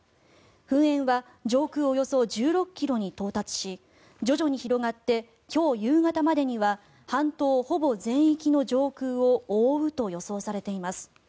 噴煙は上空およそ１６ｋｍに到達し徐々に広がって今日夕方までには半島ほぼ全域の上空を覆うと予想されています。